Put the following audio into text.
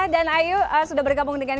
dan ayu sudah bergabung dengan